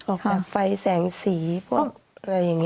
ออกแบบไฟแสงสีพวกเรื่องนี้